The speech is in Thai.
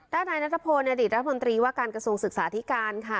นายนัทพลอดีตรัฐมนตรีว่าการกระทรวงศึกษาธิการค่ะ